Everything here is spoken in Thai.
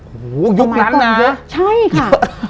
โอ้โหยุคลั้นหรอใช่ค่ะ